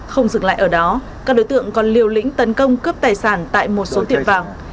không dừng lại ở đó các đối tượng còn liều lĩnh tấn công cướp tài sản tại một số tiệm vàng